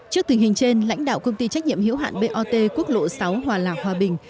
trước tình hình trên lãnh đạo công ty trách nhiệm hiểu hạn bot quốc lộ sáu hòa lạc hòa bình